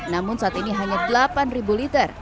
namun saat ini hanya delapan liter